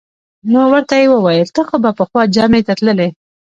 نو ورته یې وویل: ته خو به پخوا جمعې ته تللې.